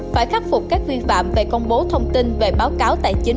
phải khắc phục các vi phạm về công bố thông tin về báo cáo tài chính